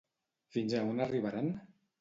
Fins a on arribaran?